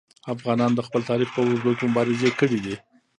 افغانانو د خپل تاریخ په اوږدو کې مبارزې کړي دي.